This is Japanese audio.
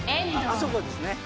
あそこですね。